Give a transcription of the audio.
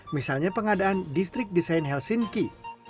misalnya pengadaan distrik desain helsinki